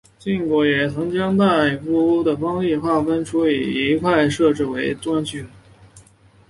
晋国也曾将大夫的封地划分出一块设置为县以加强中央集权。